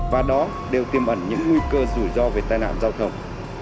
và đó đều tiêm ẩn những nguy cơ rủi ro về tai nạn giao thông